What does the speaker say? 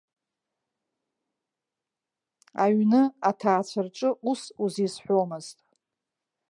Аҩны, аҭаацәа рҿы ус узизҳәомызт.